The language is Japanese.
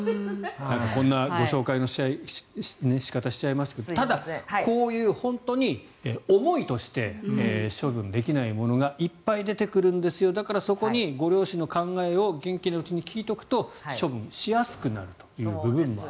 こんなご紹介の仕方をしちゃいましたがただ、こういう本当に思いとして処分できないものがいっぱい出てくるんですよだからそこにご両親の考えを元気なうちに聞いておくと処分しやすくなるという部分もある。